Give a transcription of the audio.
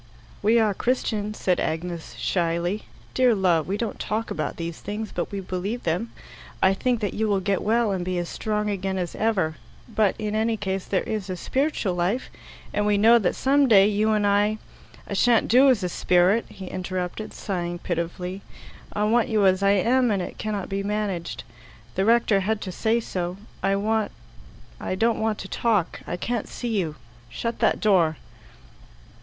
"We are Christians," said Agnes shyly. "Dear love, we don't talk about these things, but we believe them. I think that you will get well and be as strong again as ever; but, in any case, there is a spiritual life, and we know that some day you and I " "I shan't do as a spirit," he interrupted, sighing pitifully. "I want you as I am, and it cannot be managed. The rector had to say so. I want I don't want to talk. I can't see you. Shut that door."